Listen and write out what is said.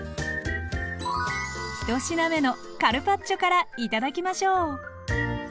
一品目のカルパッチョから頂きましょう。